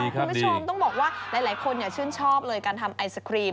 คุณผู้ชมต้องบอกว่าหลายคนชื่นชอบเลยการทำไอศครีม